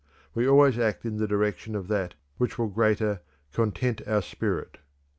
We always act in the direction of that which will greater "content our spirit."